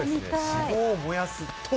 脂肪を燃やす糖。